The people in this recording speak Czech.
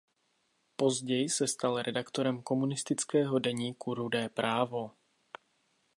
Později se stal redaktorem komunistického deníku Rudé právo.